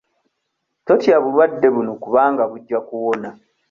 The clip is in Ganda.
Totya bulwadde buno kubanga bujja kuwona.